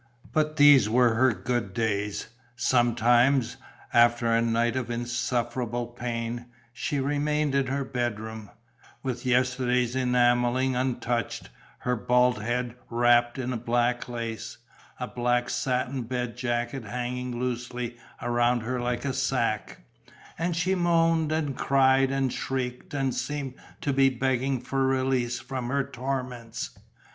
But these were her good days. Sometimes, after a night of insufferable pain, she remained in her bedroom, with yesterday's enamelling untouched, her bald head wrapped in black lace, a black satin bed jacket hanging loosely around her like a sack; and she moaned and cried and shrieked and seemed to be begging for release from her torments.